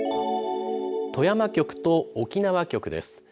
富山局と沖縄局です。